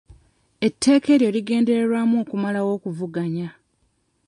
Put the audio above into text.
Etteeka eryo ligendererwamu okumalawo okuvuganya.